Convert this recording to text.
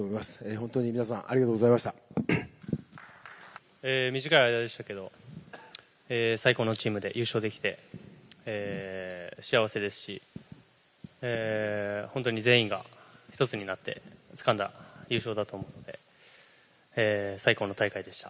本当に皆さん、短い間でしたけど、最高のチームで、優勝できて、幸せですし、本当に全員が一つになって、つかんだ優勝だと思うんで、最高の大会でした。